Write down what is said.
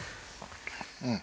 うん。